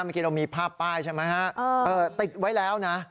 เมื่อกี้เรามีภาพป้ายใช่ไหมฮะติดไว้แล้วนะ